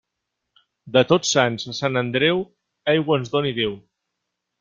De Tots Sants a Sant Andreu, aigua ens doni Déu.